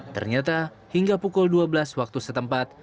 ternyata hingga pukul dua belas waktu setempat